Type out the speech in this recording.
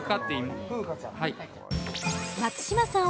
松島さん